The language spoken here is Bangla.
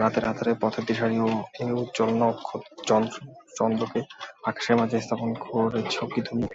রাতের আঁধারে পথের দিশারী এ উজ্জ্বল চন্দ্রকে আকাশের মাঝে স্থাপন করেছ কি তুমিই?